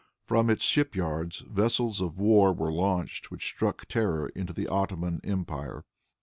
From its ship yards vessels of war were launched which struck terror into the Ottoman empire.